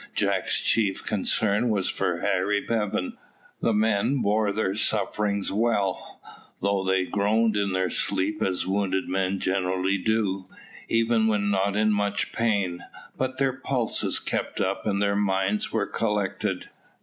Jack's chief concern was for Harry Bevan. The men bore their sufferings well, though they groaned in their sleep as wounded men generally do, even when not in much pain; but their pulses kept up, and their minds were collected.